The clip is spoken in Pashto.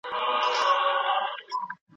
د انسان ږغ د زړه ښکارندوی دی